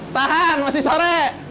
tahan masih sore